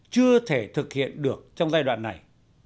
chưa thể thực hiện được trong giai đoạn này